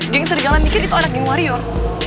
geng serigala mikir itu anak geng warior